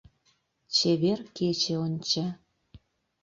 Чевер кече онча.